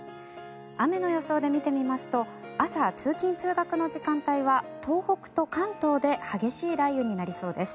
雨の予想で見てみますと朝、通勤・通学の時間帯は東北と関東で激しい雷雨になりそうです。